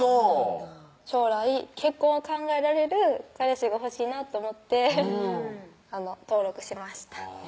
将来結婚を考えられる彼氏が欲しいなと思って登録しましたあぁ